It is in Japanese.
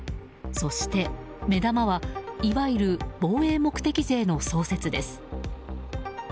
そして、目玉はいわゆる防衛目的税の創設です。